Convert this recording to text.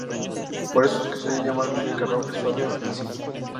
Por eso es que solían llamarla carruaje suave o pensil.